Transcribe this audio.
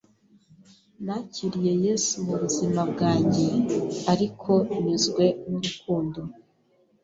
nakiriye Yesu mu buzima bwanjye ariko nyuzwe n’urukundo